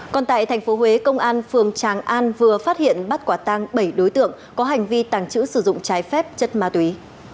còn tại thành phố huế công an phường tràng an vừa phát hiện bắt quả tang bảy đối tượng có hành vi tàng trữ sử dụng trái phép chất ma túy